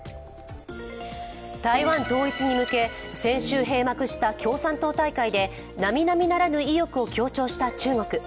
台湾統一に向け先週閉幕した共産党大会で、なみなみならぬ意欲を強調した中国。